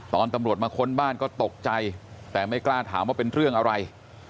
ตำรวจมาค้นบ้านก็ตกใจแต่ไม่กล้าถามว่าเป็นเรื่องอะไร